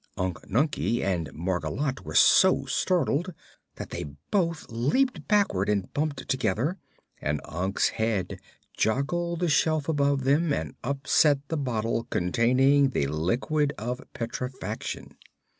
Unc Nunkie and Margolotte were so startled that they both leaped backward and bumped together, and Unc's head joggled the shelf above them and upset the bottle containing the Liquid of Petrifaction.